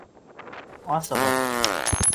Асығыҙ!